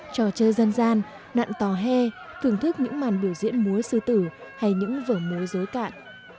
trò chơi dân gian nặn tò he thưởng thức những màn biểu diễn múa sư tử hay những vở múa dối cạn